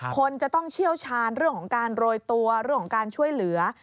คนจะต้องเชี่ยวชาญเรื่องของการโรยตัวเรื่องของการช่วยเหลือ